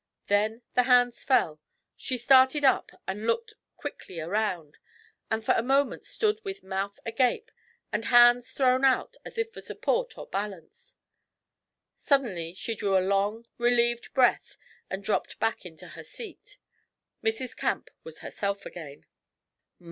Then the hands fell, she started up and looked quickly around, and for a moment stood with mouth agape and hands thrown out as if for support or balance. Suddenly she drew a long, relieved breath and dropped back into her seat. Mrs. Camp was herself again.